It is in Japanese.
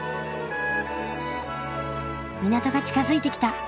港が近づいてきた。